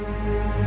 tolong jawab afif pa